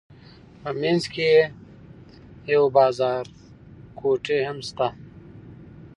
په منځ کې یې یو بازارګوټی هم شته.